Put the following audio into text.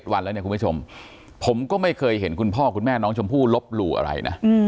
วันแล้วเนี่ยคุณผู้ชมผมก็ไม่เคยเห็นคุณพ่อคุณแม่น้องชมพู่ลบหลู่อะไรนะ